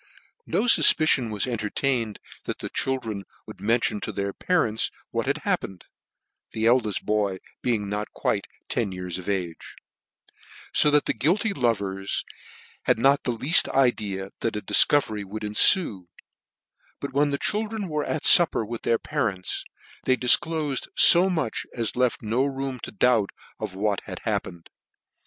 No fufpicion was entertained that the children would. mention to their parents what had happen ed ; the eldeft boy being not quite ten years of age : fo that the guilty lovers had not the leafl idea that a difcovery would enfue ; but when the chil dren were at iupper with their parents, they dif clofed fo much as left no room to doubt of what had happened.